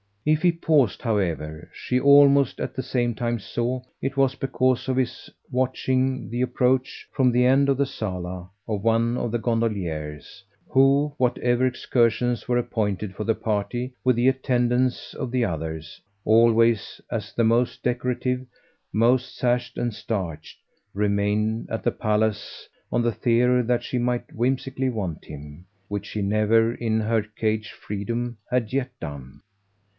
If he paused, however, she almost at the same time saw, it was because of his watching the approach, from the end of the sala, of one of the gondoliers, who, whatever excursions were appointed for the party with the attendance of the others, always, as the most decorative, most sashed and starched, remained at the palace on the theory that she might whimsically want him which she never, in her caged freedom, had yet done.